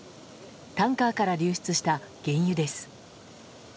タンカーから流出した原油です。